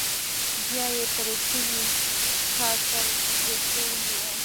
بيا يې پرې شوى سر تر ويښتو ونيو.